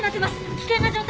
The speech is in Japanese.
危険な状態です！